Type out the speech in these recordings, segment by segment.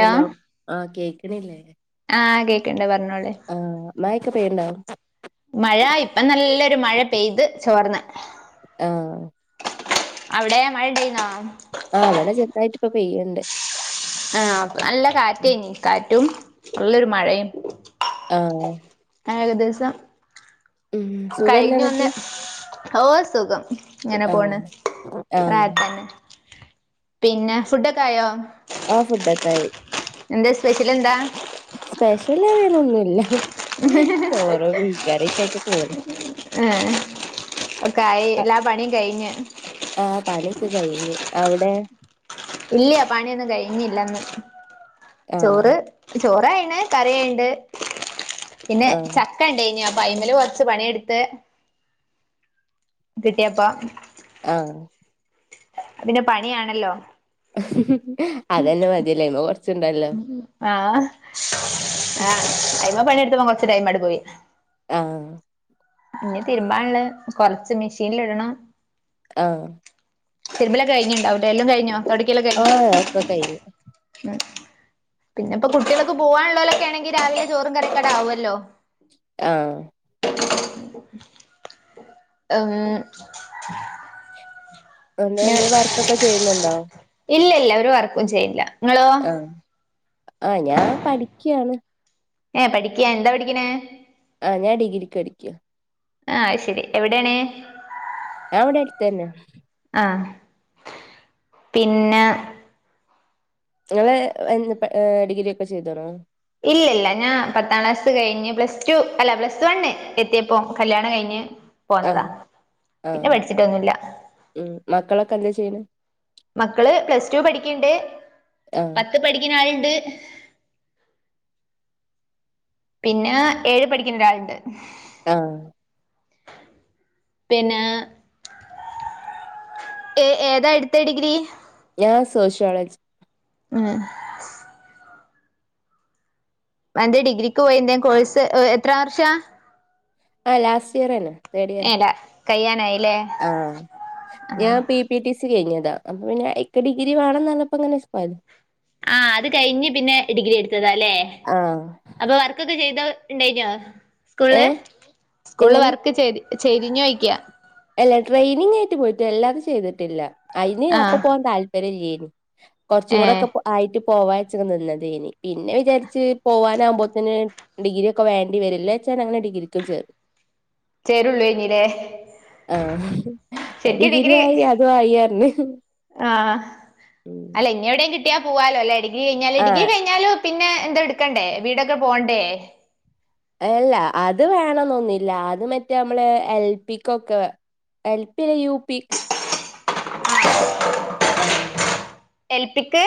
Hello ആ കേക്കണില്ലേ ആഹ് കേക്ണ്ട് പറഞ്ഞോളി മയൊക്ക പെയ്യ്ണ്ടോ മഴ ഇപ്പ നല്ലൊരു മഴ പെയ്ത് ചോർന്ന് ആഹ് അവിടെ മഴ ണ്ടായിന്നോ ആ ഇവിടെ ചെറുതായിട്ട് ഇപ്പൊ പെയ്യ്ണ്ട് ആ നല്ല കാറ്റായ്നി കാറ്റും നല്ലൊരു മഴയും ആഹ് ഏല ദിവസം ഉം സുഖല്ലേ കഴിഞ്ഞു വന്ന് എന്നിട്ട് ഓ സുഖം ഇങ്ങനെ പോണ് ആഹ് ആഹ് റാഹത്തന്നെ പിന്നെ ഫുഡൊക്കെ ആയോ ആഹ് ഫുഡ് ഒക്കെ ആയി എന്തേ സ്പെഷ്യൽ എന്താ സ്പെഷ്യൽ അതിനൊന്നുഇല്ല പോണ് ആഹ് ഒക്കെആയി എല്ലാ പണിയും കഴിഞ്ഞ് ആ പണിക്കെ കഴിഞ്ഞ് അവിടെ ഇല്ല പണിയൊന്നും കഴിഞ്ഞില്ലന്ന് ആഹ് ചോറ് ചോറ് ആയിണ് കറിയ്ണ്ട് പിന്നെ ആഹ് ച ക്കണ്ടേഞ് അപ്പ അയ്മേല് കുറച്ച് പണിയെടുത്ത് കിട്ടിയപ്പ ആഹ് പിന്നെ പണിയാണല്ലോ അതന്നെ മതിയല്ലേ അയ്മെ കൊറച്ചുണ്ടല്ലോ ആഹ് ആഹ് അയ്മ പണിയെടുത്തപ്പം കൊറച്ച് ടൈം അട് പോയി ആഹ് ഇനി തീരുമ്പാള്ളഹ് കൊർച്ച് മെഷീനിലിടണം ആഹ് തിരുമ്പലൊക്കെ കഴിഞ്ഞുണ്ടാവും അല്ലെ എല്ലാം കഴിഞ്ഞോ തൊടക്കലെക്കെ ആഹ് ഒക്കെ കഴിഞ്ഞു ഉം പിന്നെ ഇപ്പോ കുട്ടികളൊക്കെ പോവാൻള്ളോലൊക്കെ ആണെങ്കി രാവിലെ ചോറും കറിക്കെ അങ്ങട്ട് ആവൊല്ലോ ആഹ് ഉം ഒന്ന് എന്തേ വർക്കൊക്കെ ചെയ്യുന്നുണ്ടോ ഇല്ലല്ല ഒരു വർക്കും ചെയ്യില്ല നിങ്ങളോ ആഹ് ആഹ് ഞാൻ പഠിക്ക്യാണ് ഏഹ് പഠിക്കാ എന്താ പഠിക്കണേ ആഹ് ഞാൻ ഡിഗ്രിക്ക് പഠിക്ക ആ അത് ശരി എവിടെയാണ് ഞാൻ ഇവിടെ അടുത്തന്നെ ആഹ് പിന്ന നിങ്ങള് എ ഡിഗ്രി ഒക്കെ ചെയ്തോനോ ഇല്ലില്ല ഞാൻ പത്താം ക്ലാസ്സ് കഴിഞ്ഞ് പ്ലസ് ടു അല്ല പ്ലസ് വണ്ണ് എത്തിയപ്പോ കല്യാണം കഴിഞ്ഞ് പോന്നതാ ആഹ് പിന്നെ ആഹ് പഠിച്ചിട്ടൊന്നുല്ല ഉം മക്കളൊക്കെ എന്താ ചെയ്യണ് മക്കള് പ്ലസ് ടു പഠിക്കണ്ട് ആഹ് പത്ത് പഠിക്കുന്ന ആളുണ്ട് പിന്നെ ഏഴ് പഠിക്കുന്ന ഒരാളുണ്ട് ആഹ് പിന്ന ഏ ഏതാ അടുത്തെ ഡിഗ്രി ഞാൻ സോഷ്യോളജി ഏഹ് എന്റെ ഡിഗ്രിക്ക് പോയി എന്തേൻ കോഴ്സ് എത്ര വർഷാ ആ ലാസ്റ്റ് ഇയർ തന്നെ തേർഡ് ഇയർ ഏടാ കയ്യാനായില്ലേ ആഹ് ആഹ് ഞാൻ പി പി ടി സി കഴിഞ്ഞതാ അപ്പ പിന്നെ എൻക്ക് ഡിഗ്രി വേണന്നറഞ്ഞപ്പ അങ്ങനെ ആഹ് അത് കഴിഞ്ഞ് പിന്നെ ഡിഗ്രി എടുത്തതാ അല്ലേ ആഹ് അപ്പൊ വർക്കൊക്കെ ചെയ്ത ഇണ്ടായ്നോ സ്കൂളില് ഏഹ് സ്കൂൾല് എങ്ങനെ വർക്ക് ചെയ്ത് ചെയ്തീനോയ്ക്കാ അല്ല ട്രെയിനിംഗ് ആയിട്ട് പോയിട്ട് എല്ലാവരും ചെയ്തിട്ടില്ല അയ്ന് അപ്പൊ ആഹ് പോവാൻ താല്പര്യം ഇല്ലേന് കുറച്ചും ഏഹ് കൂടൊക്കെ പൊ ആയിട്ട് പോവാച്ച് നിന്നതേനി പിന്നെ വിചാരിച്ച് പോവാനാമ്പോത്തേന് ഡിഗ്രി ഒക്കെ വേണ്ടി വരില്ലെച്ചാൻ അങ്ങനെ ഡിഗ്രിക്കും ചേർന്ന് ചേരുള്ളൂഞ്ഞിലേ ആഹ് ഡിഗ്രി ആയി അതും ആയിന് ആഹ് അല്ല ഇനി എവിടെയും കിട്ടിയാ പോവാലോ അല്ല ഡിഗ്രി കഴിഞ്ഞാല് ഡിഗ്രി ആഹ് കഴിഞ്ഞാലും പിന്നെ എന്തൊ എടുക്കണ്ടേ വീടൊക്കെ പോണ്ടേ അല്ല അത് വേണന്നൊന്നില്ല അത് മറ്റേ നമ്മള് എൽപിക്കൊക്കെ എൽപ്പില യു പിക്ക് ആഹ് എൽപിക്ക്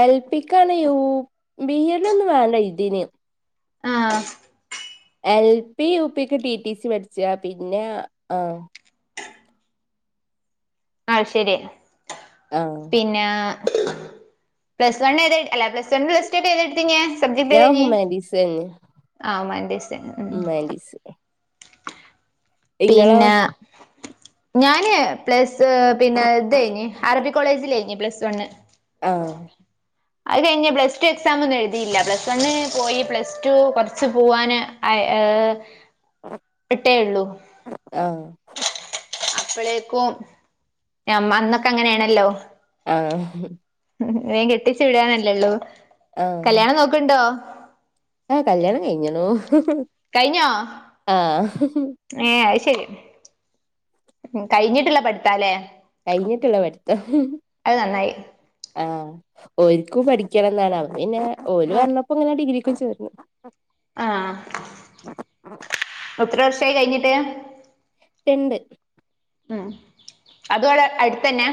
എൽപിക്കാണ് യു ബി എഡ്ഡ് ഒന്നും വേണ്ട ഇതിന് ആഹ് എൽ പി യുപക്ക് ടി ടി സി പഠിച്ച പിന്നെ ആ ആഹ് ശരിയാ ആഹ് പിന്ന പ്ലസ് വൺ ഏത അല്ല പ്ലസ് വൺ പ്ലസ് ടു ഏതെടുത്തെഞ്ഞാ ഞാൻ ഹുമാൻറ്റീസ് [unintelligible] മാഡിസ് പിന്ന ഞാന് പ്ലസ് പിന്നെ ഇത് കഴിഞ്ഞ് അറബി കോളേജിൽ കഴിഞ്ഞ് പ്ലസ് വണ്ണ് ആഹ് അത് കഴിഞ്ഞ് പ്ലസ് ടു എക്സാം ഒന്നും എഴുതിയില്ല പ്ലസ് വൺ പോയി പ്ലസ് ടു കുറച്ച് പോവാന് [unintelligible] ഇട്ടേള്ളൂ ആഹ് പ്പ്ളേക്കും അന്നൊക്കെ അങ്ങനെയാണല്ലോ ആഹ് വേം കെട്ടിച്ചു വിടാനല്ലെള്ളൂ ആഹ് കല്യാണം നോക്ക്ണ്ടോ ആഹ് കല്യാണം കഴിഞ്ഞ്‌ണു കഴിഞ്ഞോ ആഹ് ഏഹ് അത് ശരി ഉം കഴിഞ്ഞിട്ട്ള്ള പട്ത്താലേ കഴിഞ്ഞിട്ട്ള്ള പട്ത്ത അത് നന്നായി ആഹ് ഓര്ക്കും പഠിക്കണംന്നാണ്. പിന്നെ ഓല് പർഞ്ഞപ്പൊങ്ങനെ ഡിഗ്രീക്കും ചേർന്നു. ആഹ് എത്ര വർഷായി കഴിഞ്ഞിട്ട്. [unintelligible] ഉം അതു അടെ അട്ത്തന്നെ.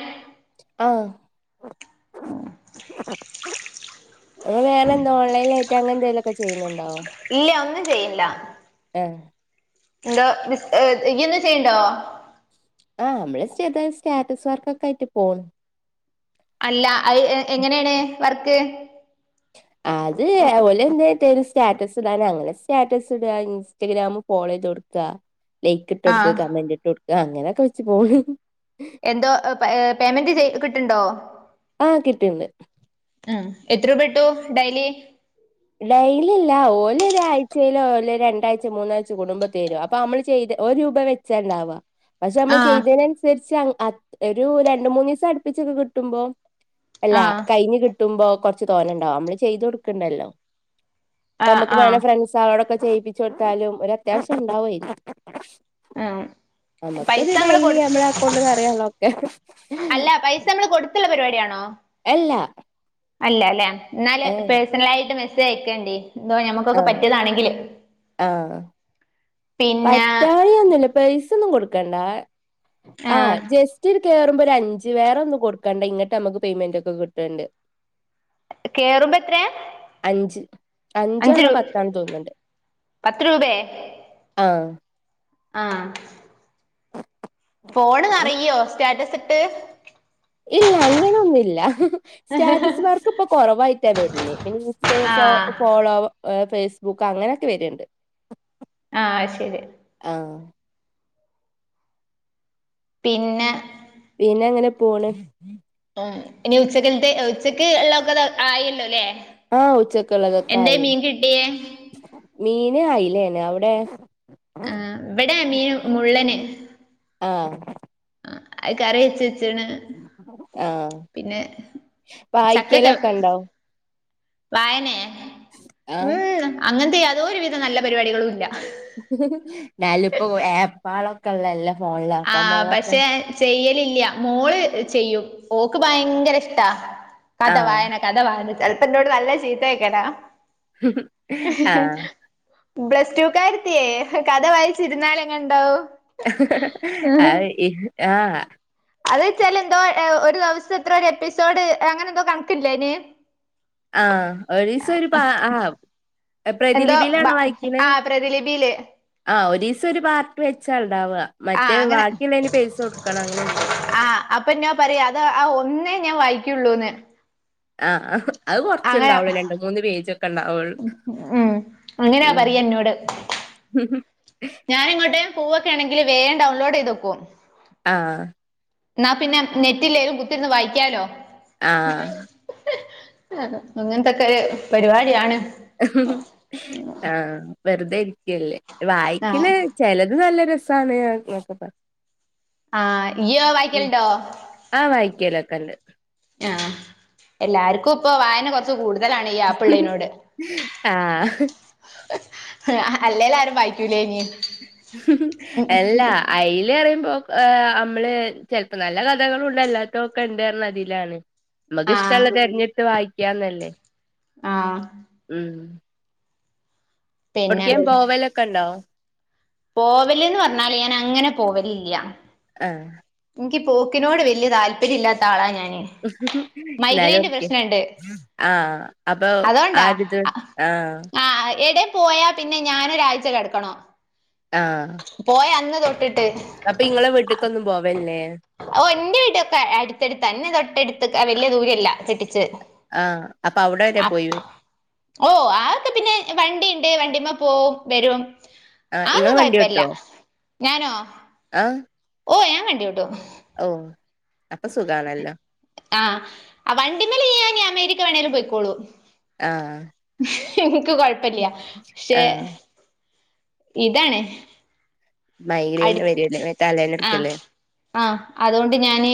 ആഹ്. ഇങ്ങ വേറന്താ ഓൺലൈൻലായിട്ട് അങ്ങന്തേലുംക്കെ ചെയ്യ്ണ്ണ്ടോ. ഇല്ല ഒന്നും ചെയ്യ്ല്ല. ഏഹ് എന്താ ബി [unintelligible] ചെയ്യ്ണ്ടോ. ആ അമ്മള് ചെറ്തായി സ്റ്റാറ്റസ് വർക്കൊക്കെ ആയിട്ട് പോണ് അല്ല അത് എങ്ങനേണ് വർക്ക്. അത് ഓലന്തേലും തെരും സ്റ്റാറ്റസ് ഇടാന് അങ്ങനെ സ്റ്റാറ്റസ് ഇട ഇൻസ്റ്റഗ്രാം ഫോളോയ്ത് കൊട് ക്ക ലൈക്ക് ഇട്ട് കൊട്ക്ക ആഹ് കമന്റ് ഇട്ട് കൊട്ക്ക അങ്ങനെയൊക്കെ വെച്ച് പോണ് എന്തോ പേയ്മെന്റ് ചെയ കിട്ട്ണ്ടോ. ആഹ് കിട്ട്ണ്ട്. ആഹ് എത്ര രൂപ കിട്ടു ഡയ്ലി. ഡെയ്ലില്ല ഓലരാഴ്ച്ചേലോ ല്ലെ രണ്ടാഴച മൂന്നാഴ്ച കുടുമ്പത്തരും അ അപ്പമ്മള് ചെയ്ത് ഒരു രൂപ വെച്ചണ്ടവാ പക്ഷെ നമ്മള് ആഹ് ചെയ്തേനൻസര്ച്ച്. ഒരു രണ്ട് മൂന്നീസം അട്പ്പിച്ചൊക്കെ കിട്ടുമ്പോ അല്ല ആഹ് കഴിഞ്ഞ്‌ കിട്ട മ്പൊ കൊർച്ച് തോനണ്ടാവും അമ്മള് ചെയ്ത് കൊട്ക്ക്ണ്ടല്ലോ. പ്പ ആഹ് മ്മക്ക് വേണേ ആഹ് ഫ്രണ്ട്സാളോടൊക്കെ ചെയ്യിപ്പിച്ച് കൊട്ത്താലും ഒരു അത്യാവശ്യം ഇണ്ടാവൊയ് ആഹ്. അമ്മക്കൊരു ഡൈലി നമ്മള അക്കൗണ്ട് നറയാള്ള ഒക്കെ. അല്ല പൈസ [unintelligible] പരിപാടിയാണോ അല്ല അല്ല ലേ ന്നാല് ഏഹ് പേഴ്സണലായിട്ട് മെസ്സേജ് അയക്കണ്ടി എന്തോ ഞമ്മക്കൊക്കെ ആഹ് പറ്റിയതാണെങ്കില്. ആഹ് പിന്നെ പറ്റായി ഒന്നുല്ല പൈസ ഒന്നും കൊടുക്കണ്ടാ. ആഹ് ജെസ്റ്റ് ഒരു കേറുമ്പൊ ഒര് അഞ്ച്. വേറെ ഒന്നും കൊട്ക്കണ്ട ഇങ്ങിട്ട് അമ്മക്ക് പേയ്മെന്റ് ഒക്ക കിട്ട്ണ്ട്. കേറുമ്പോ എത്രേ അഞ്ച് അഞ്ച് അഞ്ചാണോ രൂ പത്താണോ തോന്ന്ണ്ട്. പത്ത് രൂപേ ആഹ് ആ ഫോണ് നെറയോ സ്റ്റാറ്റസ്ട്ട്. ഇല്ല അങ്ങനെന്നുല്ല. സ്റ്റാറ്റസ് വർക്ക് ഇപ്പൊ കോറവായിട്ടാ വര്ണേ പിൻ ഇൻസ്റ്റേ ഫോ ആഹ് ഫോളോവ. എ ഫേസ്ബുക്ക് അങ്ങനെക്കെ വര്ണ്ട്. ആ അയ്ശേരി. ആഹ്. പിന്ന പിന്നെ അങ്ങനെ പോണ്. ഇനി ഉച്ചക്കൽത്തെ ഉച്ചക്ക് ഇള്ളതൊക്കെത് ആയില്ലോല്ലേ. ആഹ് ഉച്ചക്കുള്ളതൊക്കെ ആയിന് മീന് അയിലേണ് അവിടേ ആ ഇവടെ മീന് മുള്ളന്. ആഹ്. ആ അഹ് കറി വെച്ച്ച്ച്ണ്. ആഹ് വായിക്കലൊക്കെ ഇണ്ടോ വായനേ ആഹ് ഉം. അങ്ങനത്തെ യാതോരുവിധ നല്ല പരിപാടികളും ഇല്ല. ന്നാലുപ്പോ ഏപ്പാളോക്കെ ള്ളതെല്ലെ ഫോണിലോക്കെ അപ്പമ്മള്ക്കെ ചെയ്യലില്ല്യ, മോള് ചെയ്യും, ഓക്ക് ഭയങ്കര ഇഷ്ടാ. കഥ ആഹ് വായന കഥ, [unintelligible] ചേലപ്പോ ഇന്നോട് നല്ല ചീത്തേക്കല. ആഹ് പ്ലസ്ടു ക്കാര്ത്തിയേ കഥ വായിച്ചിരുന്നാലെങ്ങനെ ഉണ്ടാവും? അഹ് ഇഹ് ആഹ്. അത് ച്ചാല് ന്തോ ഒരു ദേവസ്സം എത്ര ഒരു എപ്പിസോഡ് അങ്ങനെ ന്തോ കണക്കില്ലേ അയിന് ആ ഒരീസം ഒരു പ ആ. എ എന്തോ ബ പ്രതിലിപിലാണോ വായിക്ക്ണ് ആ പ്രതിലിപിയില് ആ ഒരീസം ഒരു പാർട്ട് വെച്ചാ ഇണ്ടാവ, ആ മറ്റേ ബാക്കിള്ളേന് പേയ്സ കൊട്ക്കണം അങ്ങനെണ്ട്. ആഹ്, അപ്പൊ ന്നോ പറയു അത് ആ ഒന്നേ ഞാൻ വായിക്കുള്ളൂന്ന്. ആഹ ആഹ്. അഹ് അങ്ങനെ കൊർച്ചേണ്ടാവുള്ളു രണ്ട് മൂന്ന് പേജ് ഒക്കെ ണ്ടാവുള്ളു. ഉം അങ്ങനെയാ ഉം. പറയാ ഹും ഹും. ഞാനെങ്ങോട്ടെ പോവക്കേ ണെങ്കില് വേം ഡൗൺലോഡ് ചെയ്തേക്കും. ആ ന്നാ പിന്നെ നെറ്റില്ലേലും കുത്തിരുന്ന് വായിക്കാലോ. ആ അങ്ങനത്തെക്കെ ഒരു പരിപാടിയാണ്. ഹ്ഹ് ആ വെർതെ ഇരിക്കല്ലേ ആ വായിക്ക്ണേ ചെലത് നല്ല രസാണ് അത് നോക്ക്ട്ടോ. ആ യ്യോ വായ്ക്കലുണ്ടോ ആ വായ്ക്കലൊക്കെണ്ട്. ആ എല്ലാർക്കും ഇപ്പൊ വായന കൊർ ച്ച് കൂടുതലാണ് ഈ ആപ്പ്ള്ളയിനോട്. ആഹ് അല്ലേല് ആരും വായിക്കൂലേയ്നി. എല്ലാ അയ്ല് റയുമ്പോ അമ്മള് ചേലപ്പോ നല്ല കഥകളുണ്ട് അല്ലാത്തത് ഒക്കെ ഇണ്ട് പറയുന്ന തിലാണ്. മ്മക്ക് ആഹ് ഇഷ്ടള്ളത് തെരഞ്ഞെടുത്ത് വായിക്കാന്നല്ലേ. ആഹ് ഉം. പിന്നെ എവ്ട്ക്കേം പോവലൊക്കെ ഇണ്ടോ? പോവല്ന്ന് പറഞ്ഞാല്, ഞാൻ അങ്ങനെ പോവലില്യ. ആഹ് ഇൻകി പോക്കിനോട് വലിയ താല്പര്യം ഇല്ലാത്ത ആളാ ഞാന്. ഇന്നാലു മൈഗ്രൈന്റെ എവ്ട്കെ പ്രശ്നണ്ട് ആഹ്, അപ്പൊ അതോണ്ടാ ആരത് ആഹ് ആഹ് എടെ പോയാ പിന്നെ ഞാനൊരാഴ്ച കെടക്കണം. ആഹ്. പോയ അന്ന് തൊട്ടിട്ട്. അപ്പൊ ഇങ്ങളെ വീട്ടിക്കൊന്നും പോവലില്ലേ? ഓഹ് എന്റെ വീടൊക്കെ അടുത്തട്ത്ത, ഇന്നെ തൊട്ടടുത്ത്ക വല്ല്യ ദൂരല്ല കെട്ടിച്ചത്. ആഹ്, അപ്പ അവിടെ വരെ പോയി വെരും. ഓഹ്, അതൊക്കെ പിന്നെ വണ്ടിണ്ട്, വണ്ടിമ്മ പോവും വെരും. ആഹ് അ ഒന്നും ഇങ്ങള് വണ്ടി കൊഴപ്പല്ല, ഓട്ടോ? ഞാനോ? ആഹ് ഓഹ് ഞാൻ വണ്ടിവിടും. ഓഹ് അപ്പൊ സുഖാണല്ലോ? ആഹ്, വണ്ടിമ്മല് ഞാന് ഇഞ് അമേരിക്ക വേണേലും പൊയിക്കോളും. ആഹ് ഇൻക്ക് കൊഴപ്പല്യ പക്ഷെ ആഹ് ഇതാണ് മൈഗ്രൈൻ വരല്ലേ തലേന്ന ഇടുക്കുവല്ലേ ആ അതോണ്ട് ഞാന്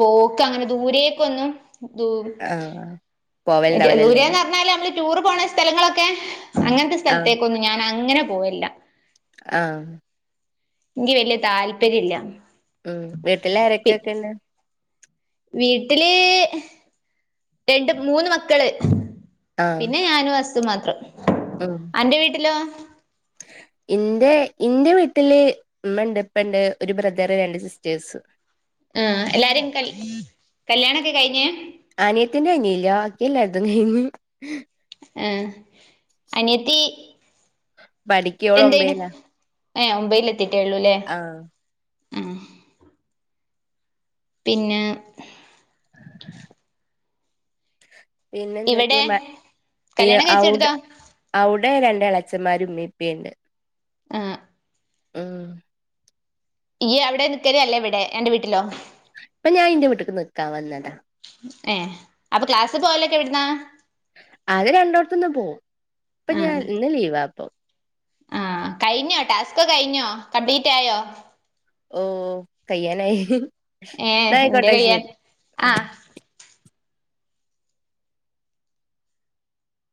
പോക്ക അങ്ങനെ ദൂരേക്കൊന്നും ദൂ ആഹ് പോവല്ണ്ടാവൂലല്ലേ ദൂരേന്ന് പറഞ്ഞാല് അമ്മള് ടൂർ പോണ സ്ഥലങ്ങളൊക്കെ അങ്ങൻത്തെ ആഹ് സ്ഥലത്തേക്കൊന്നും ഞാൻ അങ്ങനെ പോവലില്ല. ആഹ് ഇൻക്ക് വല്യ താല്പര്യം ഇല്ല. ഉം വീട്ടില ആരൊക്കൊക്കെന്നെ വീട്ടില് രണ്ട് മൂന്ന് മക്കള് പിന്നെ ഞാനും ഹസ്സും മാത്രം ആഹ് അന്റെ വീട്ടിലൊ? ഇന്റെ ഇന്റെ വീട്ടില് ഇമ്മണ്ട് ഇപ്പണ്ട് ഒരു ബ്രദറ് രണ്ട് സിസ്റ്റേഴ്സ് ആ എല്ലാരിം കൽ കല്യാണൊക്കെ കഴിഞ്ഞേയ അനിയത്തിന്റെ കയിഞ്ഞില്ല വാക്കി എല്ലാരതും കയിഞ്ഞ്. ഏഹ് അനിയത്തി പഠിക്ക ഓള് എന്തെയ്യ്ണ്? ഒമ്പേലാ ഏഹ് ഒമ്പതില് എത്തിറ്റേ ഒള്ളൂലെ ആഹ് പിന്നെ ഇവിടെ പിന്നെന്തൊക്കെയ കല്യാണം [inaudible] അവ്ടെ കഴിച്ചെടുത്തോ അവുടെ രണ്ട് എളച്ചന്മാരും ഇമ്മി, ഇപ്പിണ്ട് ആഹ് ആഹ് ഇയ അവിടെ നിക്കലു അല്ലേ ഇവിടെ എന്റെ വീട്ടിലോ ഇപ്പൊ ഞാൻ ഇന്റെ വീട്ടക്ക് നിക്കാൻ വന്നതാ ഏ അപ്പൊ ക്ലാസ് പോവലൊക്കെ എവിടുന്നാ അത് രണ്ടോടത്തൊന്ന് പോവും ഇപ്പൊ ഞാൻ ആഹ് ഇന്ന് ലീവാപ്പോ ആഹ് കഴിഞ്ഞോ ടാസ്ക് കഴിഞ്ഞോ കംപ്ലീറ്റ് ആയോ ഓ കയ്യാനായി ഏഹ് എന്നായി ഇന്റെ കോട്ടേ കയ്യാൻ ശെരി ഉം ആഹ്